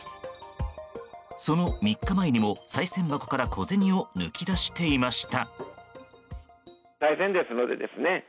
その３日前にも、さい銭箱から小銭を抜き出していました。